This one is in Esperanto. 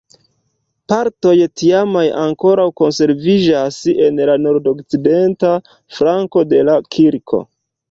Partoj tiamaj ankoraŭ konserviĝas en la nordokcidenta flanko de la kirko.